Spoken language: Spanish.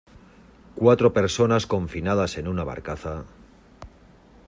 cuatro personas confinadas en una barcaza...